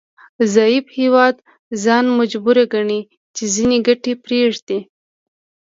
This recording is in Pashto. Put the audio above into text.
ضعیف هیواد ځان مجبور ګڼي چې ځینې ګټې پریږدي